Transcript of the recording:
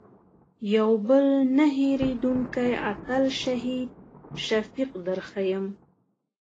یو بل نه هېرېدونکی اتل شهید شفیق در ښیم.